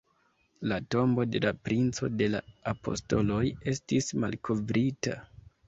La tombo de la Princo de la Apostoloj estis malkovrita”.